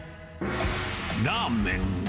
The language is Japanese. ラーメン。